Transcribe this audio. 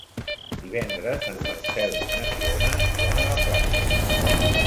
Divendres en Marcel i na Fiona iran a la platja.